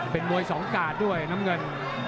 เป็นมวย๒การ์ดด้วยนะน้ำเงิน